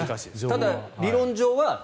ただ、理論上は。